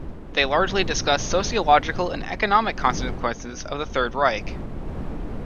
They largely discussed sociological and economic consequences of the Third Reich.